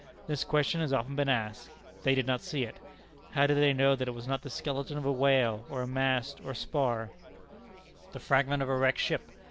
This question has often been asked. They did not see it. How did they know that it was not the skeleton of a whale, or a mast or spar, the fragment of a wrecked ship?